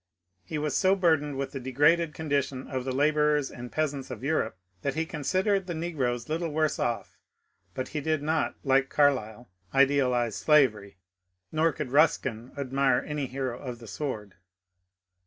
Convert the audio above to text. He was so burdened with the degraded condition of the labourers and peasants of Europe that he considered the negroes little worse off, but he did not, like Carlyle, idealize slavery, nor could Buskin admire any hero of the sword.